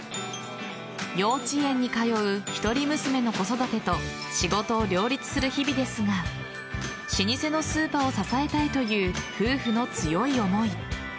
幼稚園に通う１人娘の子育てと仕事を両立する日々ですが老舗のスーパーを支えたいという夫婦の強い思い。